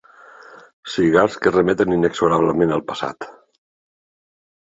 Cigars que remeten inexorablement al passat.